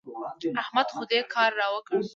احمد خو دې کار را وکړ.